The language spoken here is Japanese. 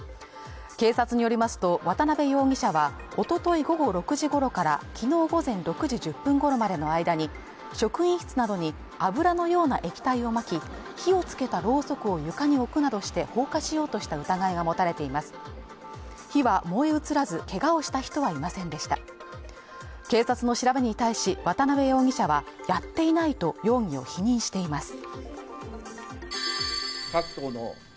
警察によりますと渡邉容疑者はおととい午後６時ごろから昨日午前６時１０分ごろまでの間に職員室などに油のような液体をまき火をつけたろうそくを床に置くなどして放火しようとした疑いが持たれています火は燃え移らず怪我をした人はいませんでした警察の調べに対し渡邉容疑者はやっていないと容疑を否認しています